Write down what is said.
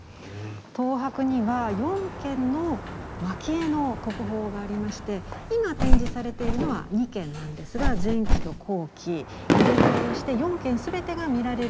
東博には４件の蒔絵の国宝がありまして今展示されているのは２件なんですが前期と後期入れ替えをして４件すべてが見られるようになります。